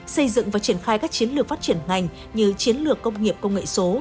xây dựng và triển khai các chiến lược phát triển ngành như chiến lược công nghiệp công nghệ số